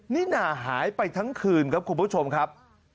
นี่น่าหายไปทั้งคืนครับคุณผู้ชมครับ